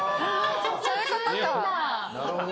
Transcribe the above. ・そういうことか。